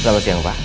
selamat siang pa